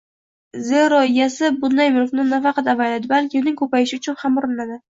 Zero egasi bunday mulkni nafaqat avaylaydi, balki uning ko‘payishi uchun ham urinadi.